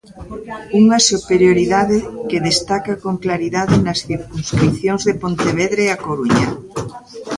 Unha superioridade que destaca con claridade nas circunscricións de Pontevedra e A Coruña.